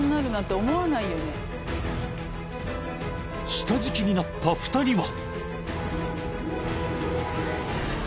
［下敷きになった２人は］